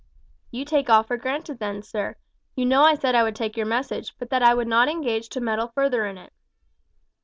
"You take all for granted then, sir. You know I said I would take your message, but that I would not engage to meddle further in it."